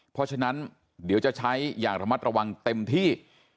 เพราะฉะนั้นเดี๋ยวจะใช้อย่างระมัดระวังเต็มที่